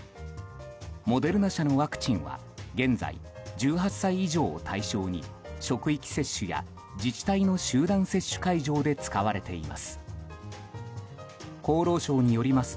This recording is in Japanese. モデルナ社のワクチンは現在、１８歳以上を対象に職域接種や自治体の集団接種会場で使われています。